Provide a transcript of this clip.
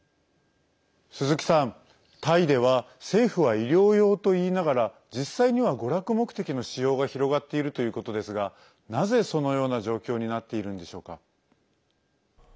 鈴木さん、タイでは政府は医療用といいながら実際には娯楽目的の使用が広がっているということですがなぜそのような状況になっているのでしょうか。